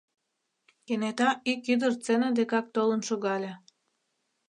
Кенета ик ӱдыр сцене декак толын шогале.